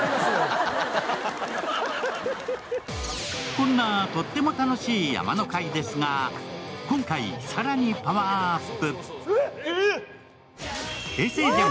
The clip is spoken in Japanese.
こんなとっても楽しい「山の会」ですが、今回更にパワーアップ。